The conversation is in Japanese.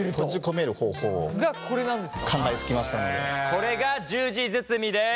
これが十字包みです。